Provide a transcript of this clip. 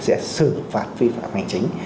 sẽ xử phạt vi phạm hành chính